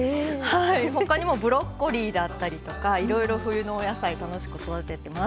他にもブロッコリーだったりとかいろいろ冬のお野菜楽しく育ててます。